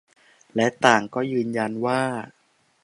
และต่างก็ยืนยันว่า